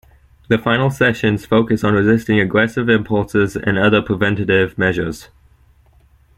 The final sessions focus on resisting aggressive impulses and other preventative measures.